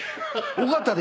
尾形で。